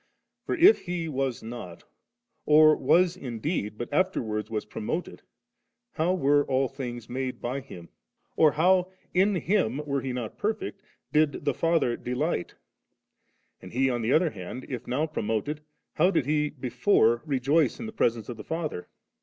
For if He was not, or was indeed, but after wards was promoted, how were all things made by Him, or how in Him, were He not perfect, did the Father delight «? And He, on the other hand, if now promoted, how did He before rejoice in the presence of the Father?